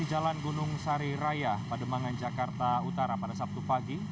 di jalan gunung sari raya pademangan jakarta utara pada sabtu pagi